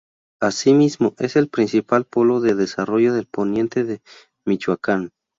Asimismo, es el principal polo de desarrollo del poniente de Michoacán.